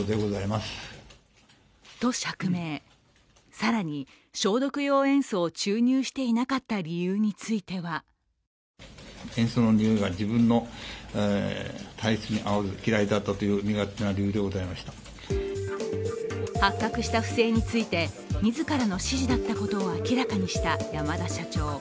更に、消毒用塩素を注入していなかった理由については発覚した不正について自らの指示だったことを明らかにした山田社長。